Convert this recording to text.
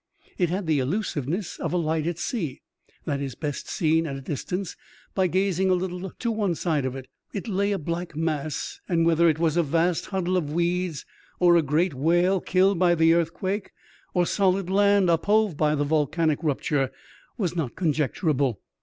It had the elusiveness of a light at sea, that is best seen (at a distance) by gazing a little on one side of it. It lay a black mass, and EXTBAOBDINABY ADVENTUBS OF A CHIEF MATE. 81 whether it was a vast huddle of weeds, or a great whale killed by the earthquake, or solid land uphove by the volcanic rupture was not conjecturable.